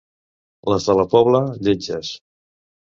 Les de la Pobla, lletges.